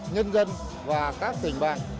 nhân dân và các tỉnh bản